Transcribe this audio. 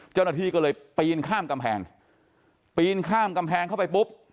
เจ้าหน้าที่ก็เลยปีนข้ามกำแพงปีนข้ามกำแพงเข้าไปปุ๊บ